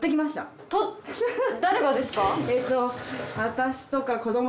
誰がですか？